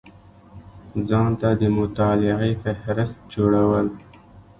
ځان ته د مطالعې فهرست جوړول